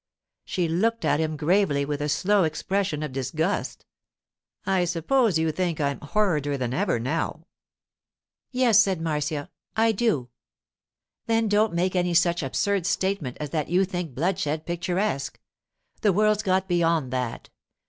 She looked at him gravely, with a slow expression of disgust. 'I suppose you think I'm horrider than ever now?' 'Yes, said Marcia; 'I do.' 'Then don't make any such absurd statement as that you think bloodshed picturesque. The world's got beyond that.